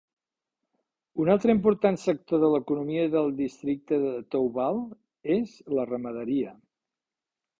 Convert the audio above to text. Una altre important sector de l'economia del districte de Thoubal és la ramaderia.